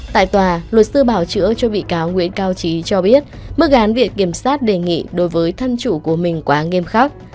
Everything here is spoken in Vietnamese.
tại tòa luật sư bảo chữa cho bị cáo nguyễn cao trí cho biết mức án viện kiểm sát đề nghị đối với thân chủ của mình quá nghiêm khắc